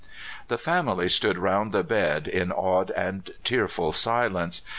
The family stood round the bed in awed and tearful silence.